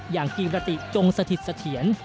อย่างกิรติจงสถิตเสถียร